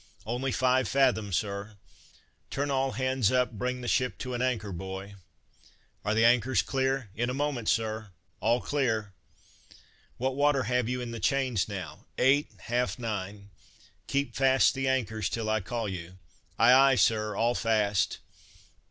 "Only five fathom, Sir." "Turn all hands up, bring the ship to an anchor, boy!" "Are the anchors clear!" "In a moment, Sir." "All clear!" "What water have you in the chains now!" "Eight, half nine." "Keep fast the anchors till I call you." "Ay, ay, Sir, all fast!"